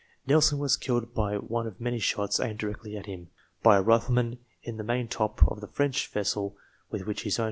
Nelson was killed by one of many shots aimed directly at him, by a rifleman in the maintop of the French vessel with which his own was closely engaged.